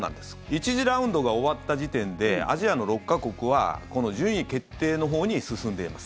１次ラウンドが終わった時点でアジアの６か国はこの順位決定のほうに進んでいます。